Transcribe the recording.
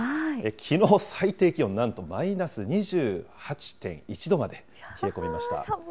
きのう最低気温、なんとマイナス２８．１度まで冷え込みました。